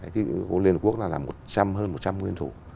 thì của liên hợp quốc là một trăm linh hơn một trăm linh nguyên thủ